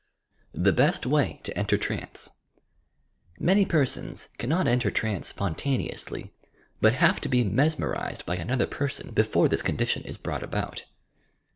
THE BEST WAY TO ENTEK TEANCE Many persons cannot enter trance spontaneously but have to be mesmerized by another person before this condition is brought about.